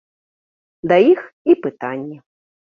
Да іх і пытанні.